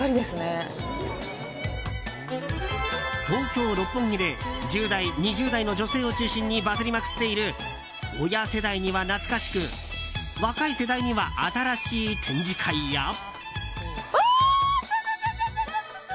東京・六本木で１０代、２０代の女性を中心にバズりまくっている親世代には懐かしく若い世代には新しい展示会や。